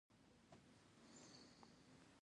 ما د پیرود بکس په موټر کې کېښود.